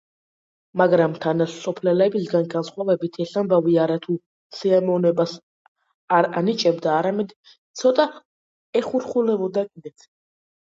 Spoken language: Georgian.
მაგრამ თანასოფლელებისგან განსხვავებით ეს ამბავი არა თუ სიამოვნებას არ ანიჭებდა, არამედ ცოტა ეუხერხულებოდა კიდეც.